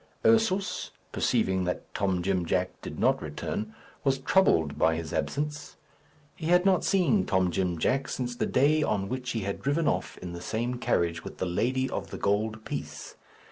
Ursus, perceiving that Tom Jim Jack did not return, was troubled by his absence. He had not seen Tom Jim Jack since the day on which he had driven off in the same carriage with the lady of the gold piece.